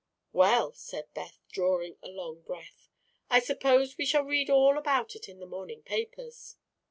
"Well," said Beth, drawing a long breath, "I suppose we shall read all about it in the morning papers."